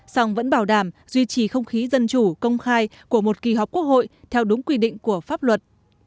song vẫn bảo đảm duy trì không khí dân chủ công khai của một kỳ họp quốc hội theo đúng quy định của pháp luật